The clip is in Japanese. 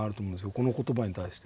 この言葉に対して。